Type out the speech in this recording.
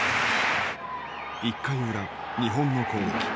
１回裏日本の攻撃。